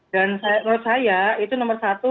dan menurut saya itu nomor satu